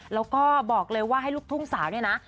แล้วก็บอกเลยว่าให้ลูกทุ่งสาวเนี่ยนะ